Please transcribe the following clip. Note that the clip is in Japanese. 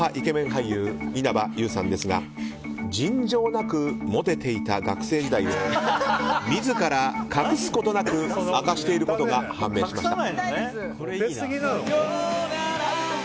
俳優稲葉友さんですが尋常なくモテていた学生時代を自ら隠すことなく明かしていることが判明しました。